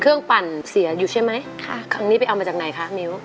ปั่นเสียอยู่ใช่ไหมค่ะครั้งนี้ไปเอามาจากไหนคะมิ้ว